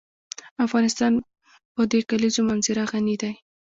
افغانستان په د کلیزو منظره غني دی.